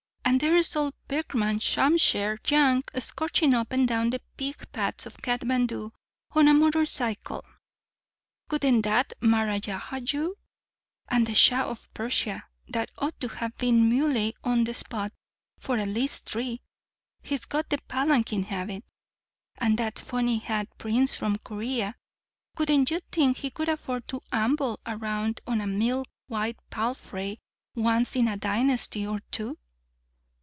And there's old Bikram Shamsher Jang scorching up and down the pig paths of Khatmandu on a motor cycle. Wouldn't that maharajah you? And the Shah of Persia, that ought to have been Muley on the spot for at least three, he's got the palanquin habit. And that funny hat prince from Korea—wouldn't you think he could afford to amble around on a milk white palfrey once in a dynasty or two?